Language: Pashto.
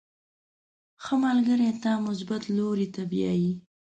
• ښه ملګری تا مثبت لوري ته بیایي.